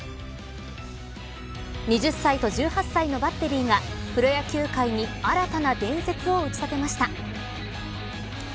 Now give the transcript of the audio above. ２０歳と１８歳のバッテリーがプロ野球界に新たな伝説を打ち立てました。